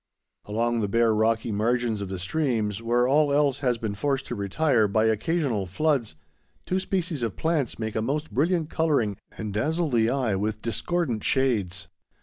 Along the bare rocky margins of the streams, where all else has been forced to retire by occasional floods, two species of plants make a most brilliant coloring and dazzle the eye with discordant shades.